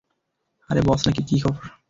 আরে, বস নাকি, কী খবর?